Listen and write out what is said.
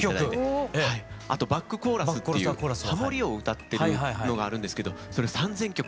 あとバックコーラスっていうハモリを歌ってるのがあるんですけどそれ３，０００曲。